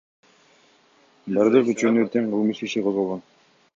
Бардык үчөөнө тең кылмыш иши козголгон.